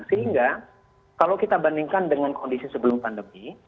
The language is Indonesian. sehingga kalau kita bandingkan dengan kondisi sebelum pandemi